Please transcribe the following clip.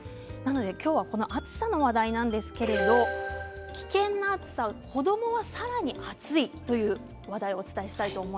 今日、暑さの話題なんですけれど危険な暑さ子どもはさらに暑いという話題です。